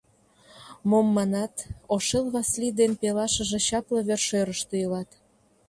Мом манат, Ошэл Васлий ден пелашыже чапле вершӧрыштӧ илат.